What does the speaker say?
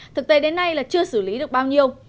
thực tế đến nay là chưa xử lý được bao nhiêu